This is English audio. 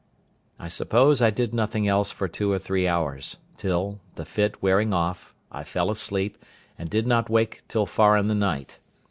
I suppose I did nothing else for two or three hours; till, the fit wearing off, I fell asleep, and did not wake till far in the night.